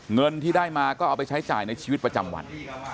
เงินที่ได้มาก็เอาไปใช้จ่ายในชีวิตประจำวัน